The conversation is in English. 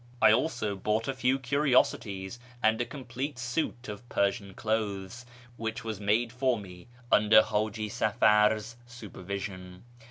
I also bought a few curiosities, and a complete suit of Persian clothes, which was made for me under Haji Safar's supervision.